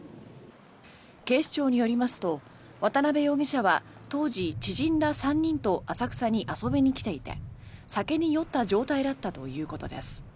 警視庁によりますと渡邊容疑者は当時、知人ら３人と浅草に遊びに来ていて酒に酔った状態だったということです。